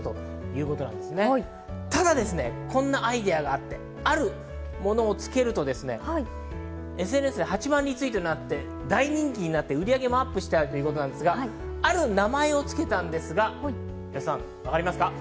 ただ、こんなアイデアがあって、あるものをつけるとＳＮＳで８万リツイートがあって大人気になって売り上げもアップしたということなんですが、ある名前をつけたんですが、わかりますか？